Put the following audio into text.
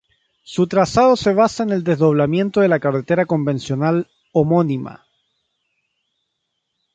Su trazado se basa en el desdoblamiento de la carretera convencional homónima.